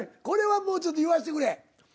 これはもうちょっと言わしてくれ。